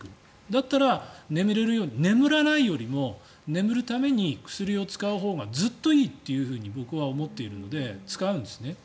だったら、眠れるように眠らないよりも眠れるために薬を使うほうがずっといいというふうに僕は思っているので使うんですね。